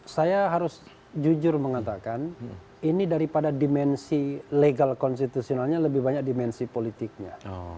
saya harus jujur mengatakan ini daripada dimensi legal konstitusionalnya lebih banyak dimensi politiknya